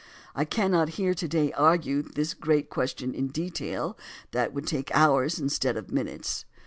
I cannot here to day argue this great question in detail; that would take hours instead of minutes.